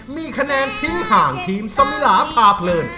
มีคะแนนทิ้งห่างทีมสมิลาพาเพลิน